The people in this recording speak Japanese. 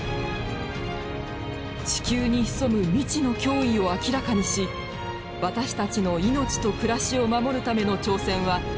地球に潜む未知の脅威を明らかにし私たちの命と暮らしを守るための挑戦は続きます。